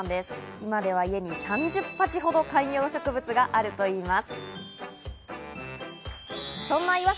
今では家に３０鉢ほど観葉植物があるといいます。